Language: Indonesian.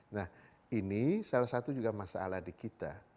nah ini salah satu juga masalah di kita